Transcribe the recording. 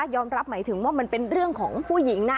หมายถึงว่ามันเป็นเรื่องของผู้หญิงนะ